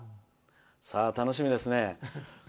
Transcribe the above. さあ、楽しみですね。